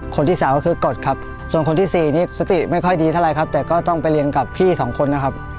คนที่สามก็คือกฎครับส่วนคนที่สี่นี่สติไม่ค่อยดีเท่าไรครับแต่ก็ต้องไปเรียนกับพี่สองคนนะครับ